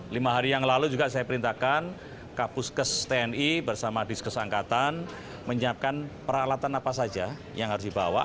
lima hari yang lalu juga saya perintahkan kapuskes tni bersama diskes angkatan menyiapkan peralatan apa saja yang harus dibawa